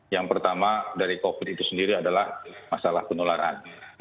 yang pertama dari covid itu sendiri adalah masalah penularan